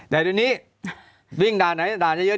แต่วันนี้